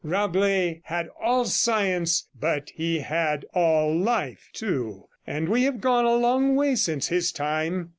Rabelais had all science, but he had all I life too. And we have gone a long way since his time.